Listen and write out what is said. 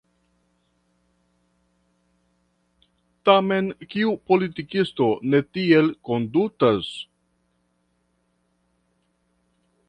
Tamen kiu politikisto ne tiel kondutas?